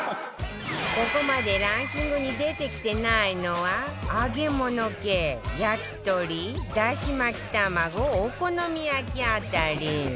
ここまでランキングに出てきてないのは揚げ物系焼き鳥だし巻玉子お好み焼き辺り